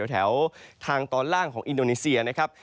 แถวทางตอนล่างของอินโดนีเซียนะครับ